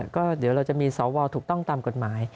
ก็เดี๋ยวเราจะมีสวถูกต้องตามกฎหมาย